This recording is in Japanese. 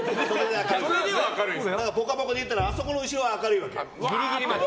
「ぽかぽか」で言ったらあそこの後ろは明るいわけよ。